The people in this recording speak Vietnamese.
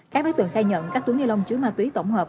các đối tượng khai nhận các túi nilong chứa ma túy tổng hợp